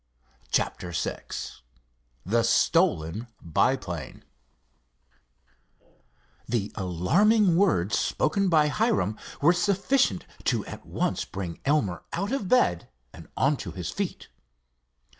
'" CHAPTER VI THE STOLEN BIPLANE The alarming words spoken by Hiram were sufficient to at once bring Elmer out of bed and onto his feet.